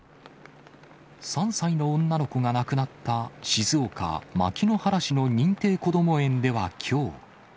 ３歳の女の子が亡くなった、静岡・牧之原市の認定こども園ではきょう。